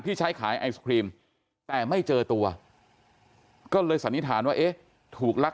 ที่ใช้ขายไอศครีมแต่ไม่เจอตัวก็เลยสันนิษฐานว่าเอ๊ะถูกลัก